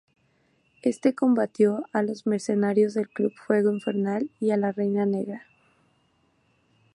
Éste combatió a los mercenarios del Club Fuego Infernal, y a la Reina Negra.